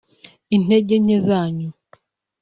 intege nke zanyu